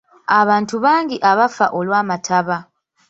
Abantu bangi abafa olw'amataba.